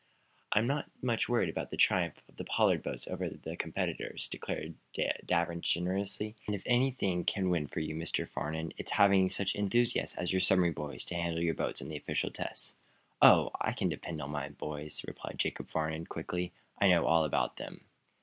"I'm not much worried about the triumph of the Pollard boats over competitors," declared Danvers, generously. "And, if anything can win for you, Mr. Farnum, it's the having of such enthusiasts as your submarine boys to handle your boats in the official tests." "Oh, I can depend upon my boys," replied Jacob Farnum, quickly. "I know all about them."